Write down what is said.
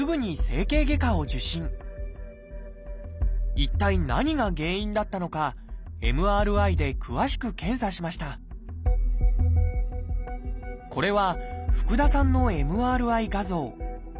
一体何が原因だったのかＭＲＩで詳しく検査しましたこれは福田さんのＭＲＩ画像。